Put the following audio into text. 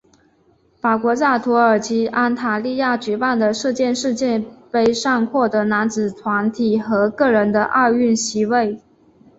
法国在土耳其安塔利亚举办的射箭世界杯上获得男子团体和个人的奥运席位。